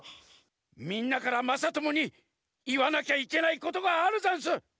みんなからまさともにいわなきゃいけないことがあるざんす。